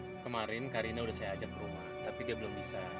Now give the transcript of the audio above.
karena kemarin karina udah saya ajak ke rumah tapi dia belum bisa